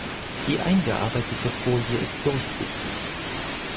Die eingearbeitete Folie ist durchsichtig.